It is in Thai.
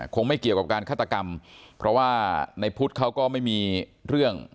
ไม่เกี่ยวกับการฆาตกรรมเพราะว่าในพุทธเขาก็ไม่มีเรื่อง